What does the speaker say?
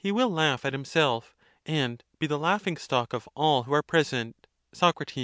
will laugh at himself, and be the laughing stock of (all)? who are present. Soe.